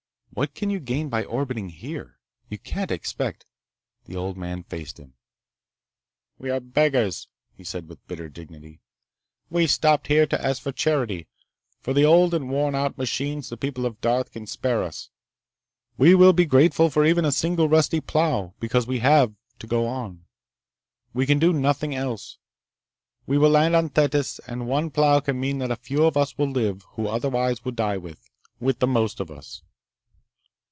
"What can you gain by orbiting here? You can't expect—" The old man faced him. "We are beggars," he said with bitter dignity. "We stopped here to ask for charity—for the old and worn out machines the people of Darth can spare us. We will be grateful for even a single rusty plow. Because we have to go on. We can do nothing else. We will land on Thetis. And one plow can mean that a few of us will live who otherwise would die with ... with the most of us."